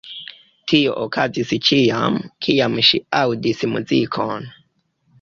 Tio okazis ĉiam, kiam ŝi aŭdis muzikon.